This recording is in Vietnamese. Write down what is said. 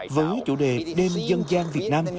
với chủ đề đêm dân giang việt nam